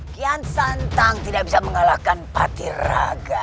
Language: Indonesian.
kian santang tidak bisa mengalahkan patiraga